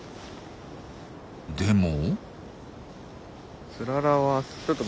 でも。